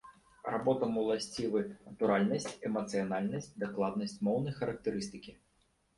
Работам уласцівы натуральнасць, эмацыянальнасць, дакладнасць моўнай характарыстыкі.